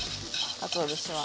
かつお節は。